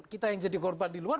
kita yang jadi korban di luar